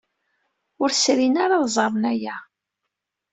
Ur srin ara ad ẓren aya.